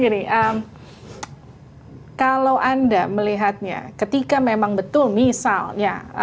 gini kalau anda melihatnya ketika memang betul misalnya